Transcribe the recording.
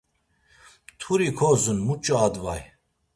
Mturi kozun, muç̌o advay?